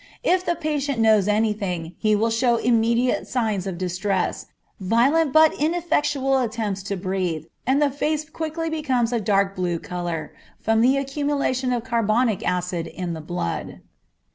If the patient knows any thing, he will show immediate signs of distress, violent but ineffectual attempts to breathe, and the face quickly becomes a dark blue color, from the accumulation of carbonic acid in the blood.